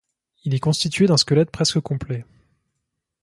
Il est constitué d'un squelette presque complet.